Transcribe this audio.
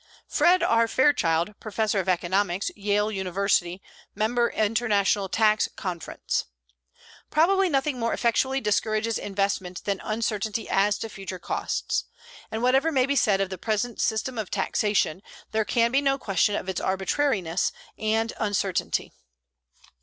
FRED. R. FAIRCHILD, Professor of Economics, Yale University, member International Tax Conference: Probably nothing more effectually discourages investment than uncertainty as to future costs. And whatever may be said of the present system of taxation, there can be no question of its arbitrariness and uncertainty.